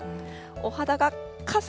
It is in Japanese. お肌がかっ